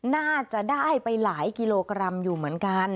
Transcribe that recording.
น่าจะได้ไปหลายกิโลกรัมอยู่เหมือนกัน